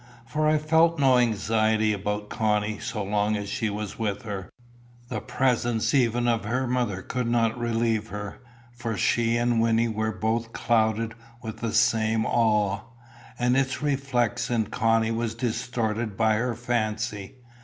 For I felt no anxiety about Connie so long as she was with her. The presence even of her mother could not relieve her, for she and Wynnie were both clouded with the same awe, and its reflex in Connie was distorted by her fancy.